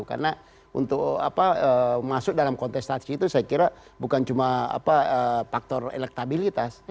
karena untuk masuk dalam kontestasi itu saya kira bukan cuma faktor elektabilitas